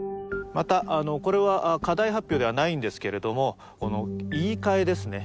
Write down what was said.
またこれは過大発表ではないんですけれども言い換えですね